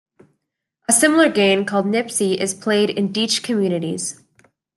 A similar game called Nipsi is played in Deitsch communities.